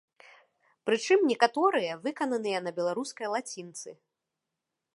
Прычым, некаторыя выкананыя на беларускай лацінцы.